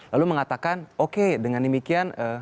lalu mengatakan oke dengan demikian